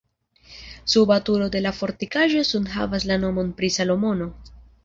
Suba turo de la fortikaĵo nun havas la nomon pri Salomono.